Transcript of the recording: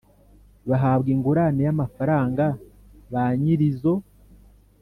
bahabwa ingurane y amafaranga ba nyir izo